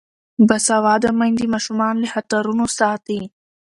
باسواده میندې ماشومان له خطرونو ساتي.